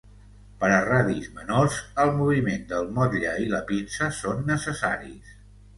Per a radis menors, el moviment del motlle i la pinça són necessaris.